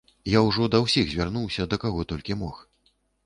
Я ўжо да ўсіх звярнуўся, да каго толькі мог.